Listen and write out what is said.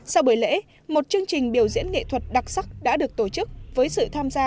sau buổi lễ một chương trình biểu diễn nghệ thuật đặc sắc đã được tổ chức với sự tham gia